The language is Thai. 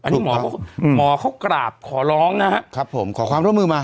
อันนี้หมอเขากราบขอร้องนะครับผมขอความร่วมมือมา